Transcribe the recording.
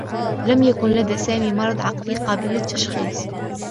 لم يكن لدى سامي مرض عقلي قابل للتّشخيص.